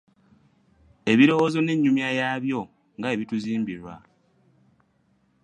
Ebirowoozo n’ennyumya yaabyo nga bwe bituzimbirwa